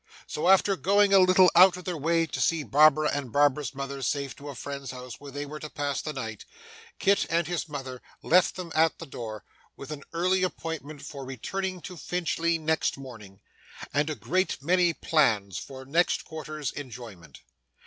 So, after going a little out of their way to see Barbara and Barbara's mother safe to a friend's house where they were to pass the night, Kit and his mother left them at the door, with an early appointment for returning to Finchley next morning, and a great many plans for next quarter's enjoyment.